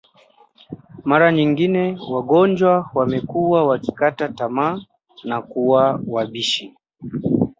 Mara nyingi wagonjwa wamekuwa wakikata tamaa na kuwa wabishi